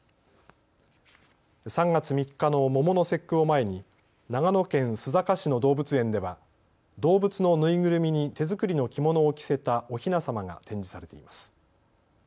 ３月３日の桃の節句を前に長野県須坂市の動物園では動物の縫いぐるみに手作りの着物を着せたおひなさまが展示されています。